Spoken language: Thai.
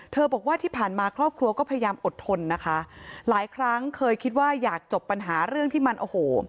บอกว่าที่ผ่านมาครอบครัวก็พยายามอดทนนะคะหลายครั้งเคยคิดว่าอยากจบปัญหาเรื่องที่มันโอ้โห